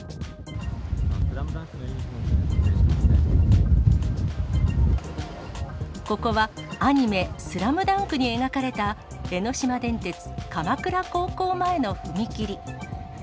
スラムダンクのユニホームをここはアニメ、スラムダンクに描かれた江ノ島電鉄鎌倉高校前の踏切。